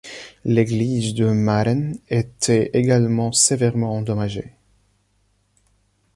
L'église de Maren était également sévèrement endommagée.